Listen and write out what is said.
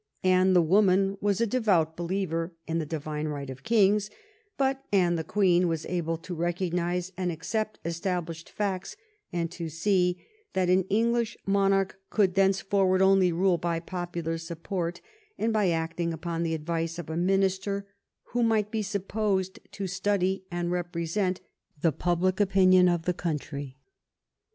Anne the woman was a devout believer in the divine right of kings, but Anne the Queen was able to recognize and accept established facts, and to see that an English monarch could thenceforward only rule by popular support and by acting upon the advice of a minister who might be supposed to study and rep resent the public opinion of the country.